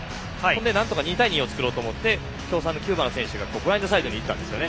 なんとか２対２を作ろうと思って京産大の９番の選手がグラウンドサイドにいったんですよね。